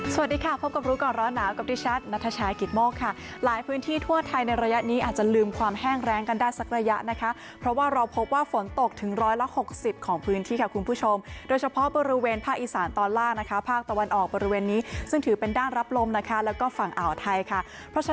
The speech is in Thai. สวัสดีค่ะพบกับรู้ก่อนร้อนหนาวกับดิฉันนัทชายกิตโมกค่ะหลายพื้นที่ทั่วไทยในระยะนี้อาจจะลืมความแห้งแรงกันได้สักระยะนะคะเพราะว่าเราพบว่าฝนตกถึงร้อยละหกสิบของพื้นที่ค่ะคุณผู้ชมโดยเฉพาะบริเวณภาคอีสานตอนล่างนะคะภาคตะวันออกบริเวณนี้ซึ่งถือเป็นด้านรับลมนะคะแล้วก็ฝั่งอ่าวไทยค่ะ